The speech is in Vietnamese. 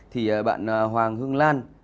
thì bạn hoàng hưng lan